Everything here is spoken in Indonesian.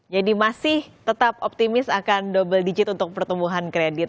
jadi masih tetap optimis akan double digit untuk pertumbuhan kredit